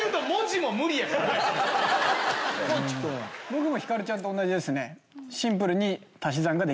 僕もひかるちゃんと同じですね。